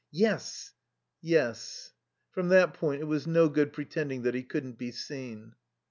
Yes. Yes. From that point it was no good pretending that he couldn't be seen.